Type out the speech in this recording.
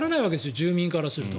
住民からすると。